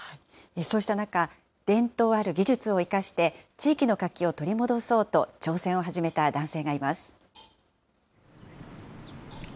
そうした中、伝統ある技術を生かして、地域の活気を取り戻そうと挑戦を始めた男性がいます。